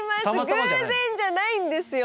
偶然じゃないんですよ。